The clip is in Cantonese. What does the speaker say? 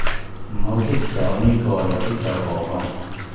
唔好激走呢個又激走嗰個